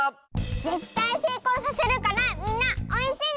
ぜったいせいこうさせるからみんなおうえんしてね！